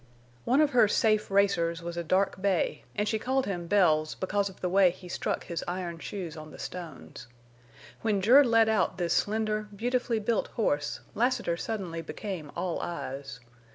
One of her safe racers was a dark bay, and she called him Bells because of the way he struck his iron shoes on the stones. When Jerd led out this slender, beautifully built horse Lassiter suddenly became all eyes.